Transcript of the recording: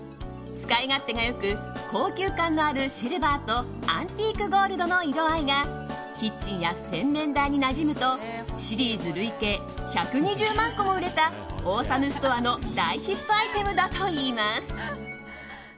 使い勝手が良く、高級感のあるシルバーとアンティークゴールドの色合いがキッチンや洗面台になじむとシリーズ累計１２０万個も売れたオーサムストアの大ヒットアイテムだといいます。